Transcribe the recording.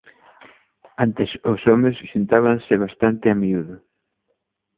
Antes os homes xuntábanse bastante a miúdo.